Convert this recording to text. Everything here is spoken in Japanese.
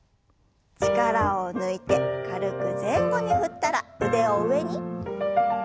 力を抜いて軽く前後に振ったら腕を上に。